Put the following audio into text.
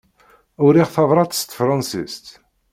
Uriɣ tabrat s tefransist.